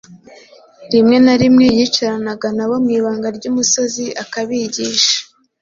Rimwe na rimwe yicaranaga nabo mu ibanga ry’umusozi akabigisha;